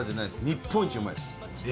日本一うまいです。